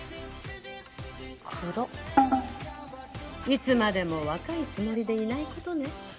いつまでも若いつもりでいないことね。